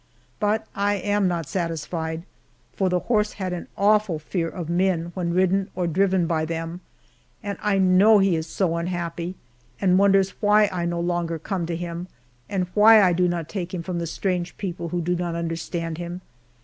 But I am not satisfied, for the horse had an awful fear of men when ridden or driven by them, and I know that he is so unhappy and wonders why I no longer come to him, and why I do not take him from the strange people who do not understand him.